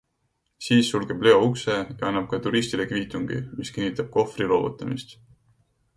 Siis sulgeb Leo ukse ja annab ka turistile kviitungi, mis kinnitab kohvri loovutamist.